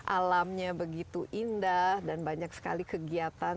alamnya begitu indah dan banyak sekali kegiatan